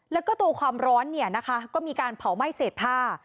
แล้วก็ตัวความร้อนเนี่ยนะคะก็มีการเผาไหม้เศษผ้า